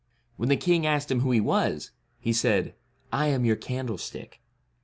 When the king asked him who he was, he said, * I am your candlestick.'